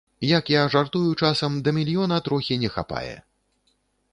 Як я жартую часам, да мільёна трохі не хапае.